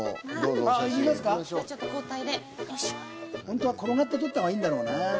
ホントは転がって撮った方がいいんだろうね。